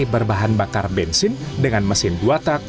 berbahan bakar bensin dengan mesin buatak